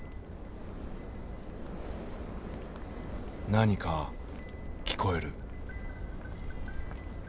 何か聞こえる。